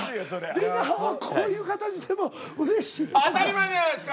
出川はこういう形でもうれしいって事か？